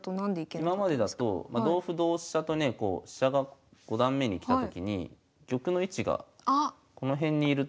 今までだと同歩同飛車とね飛車が五段目に来たときに玉の位置がこの辺にいると。